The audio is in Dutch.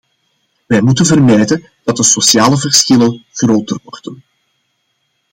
Wij moeten vermijden dat de sociale verschillen groter worden.